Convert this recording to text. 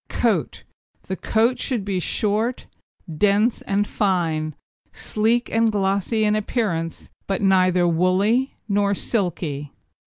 COAT The coat should be short, hard, dense and fine, sleek and glossy in appearance, but neither woolly nor silky.